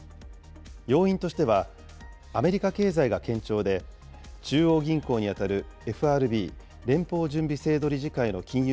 要因としては、アメリカ経済が堅調で、中央銀行に当たるＦＲＢ・連邦準備制度理事会の金融